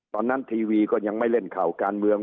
ทีวีก็ยังไม่เล่นข่าวการเมือง